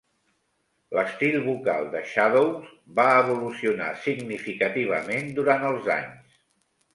L'estil vocal de Shadows va evolucionar significativament durant els anys.